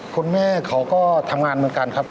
คุณแม่เขาก็ทำงานเหมือนกันครับ